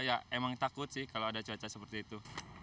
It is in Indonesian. ya emang takut sih kalau ada cuaca seperti itu